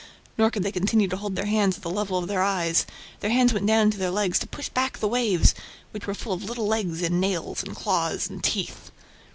Nor could they continue to hold their hands at the level of their eyes: their hands went down to their legs to push back the waves, which were full of little legs and nails and claws and teeth.